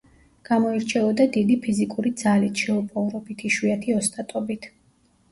გამოირჩეოდა დიდი ფიზიკური ძალით, შეუპოვრობით, იშვიათი ოსტატობით.